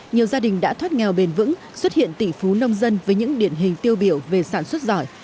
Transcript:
nhiều gia đình đã thoát nghèo bền vững xuất hiện tỷ phú nông dân với những điển hình tiêu biểu về sản xuất giỏi